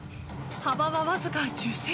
幅はわずか１０ｃｍ。